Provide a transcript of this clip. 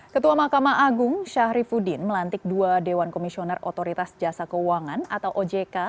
ketua mahkamah agung syahrifudin melantik dua dewan komisioner otoritas jasa keuangan atau ojk